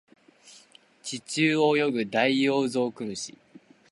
地中を泳ぐダイオウグソクムシ